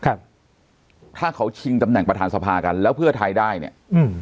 ครับถ้าเขาชิงตำแหน่งประธานสภากันแล้วเพื่อไทยได้เนี้ยอืม